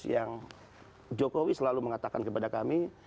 yang jokowi selalu mengatakan kepada kami